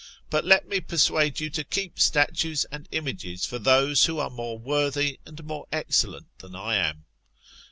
But let me persuade you to keep statues and images for those who are more worthy and more excellent than I am.